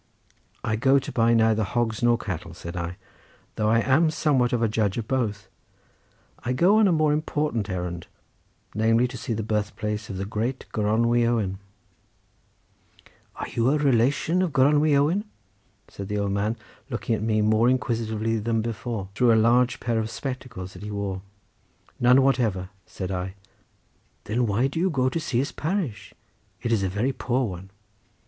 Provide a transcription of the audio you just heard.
"I go to buy neither hogs nor cattle," said I, "though I am somewhat of a judge of both; I go on a more important errand, namely to see the birth place of the great Gronwy Owen." "Are you any relation of Gronwy Owen?" said the old man, looking at me more inquisitively than before, through a large pair of spectacles, which he wore. "None whatever," said I. "Then why do you go to see his parish? It is a very poor one."